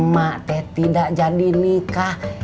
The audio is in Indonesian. mak teh tidak jadi nikah